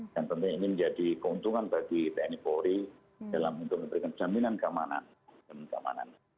dan tentunya ini menjadi keuntungan bagi tni polri dalam memberikan jaminan keamanan